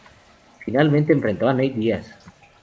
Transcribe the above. Finalmente, enfrentó a Nate Diaz.